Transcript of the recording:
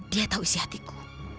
dia tahu isi hatiku